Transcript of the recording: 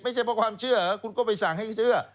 ไม่ใช่เพราะความเชื่อคุณก็ไปสั่งให้เชื่อ